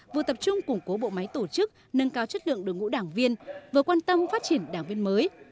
vừa tập trung củng cố bộ máy tổ chức nâng cao chất lượng đối ngũ đảng viên vừa quan tâm phát triển đảng viên mới